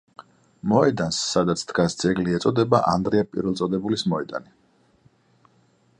მოედანს სადაც დგას ძეგლი ეწოდება ანდრია პირველწოდებულის მოედანი.